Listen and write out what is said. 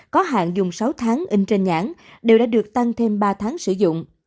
có hạn dùng sáu tháng in trên nhãn đều đã được tăng thêm ba tháng sử dụng